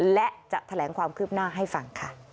และจะแถลงความคืบหน้าให้ฟังค่ะ